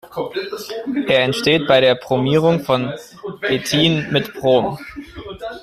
Er entsteht bei der Bromierung von Ethin mit Brom.